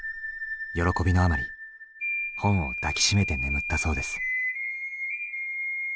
喜びのあまり本を抱きしめて眠ったそうです。